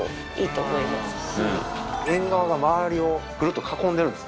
縁側が周りをぐるっと囲んでるんですね。